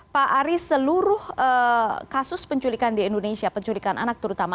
pak aris seluruh kasus penculikan di indonesia penculikan anak terutama